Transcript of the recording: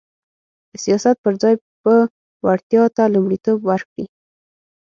د سیاست پر ځای به وړتیا ته لومړیتوب ورکړي